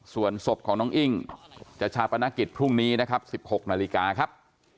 ส่วนศพของน้องอิ้งจะชาปนกิจพรุ่งนี้นะครับ๑๖นาฬิกาครับ